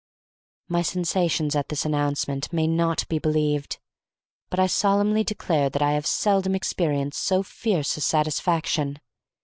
My sensations at this announcement may not be believed, but I solemnly declare that I have seldom experienced so fierce a satisfaction.